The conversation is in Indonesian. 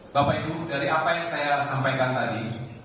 bapak ibu dari apa yang saya sampaikan tadi